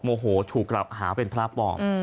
โมโหถูกกลับหาเป็นพระปลอม